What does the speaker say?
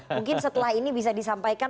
mungkin setelah ini bisa disampaikan